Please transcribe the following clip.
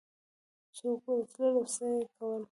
څوک ورتلل او څه یې کول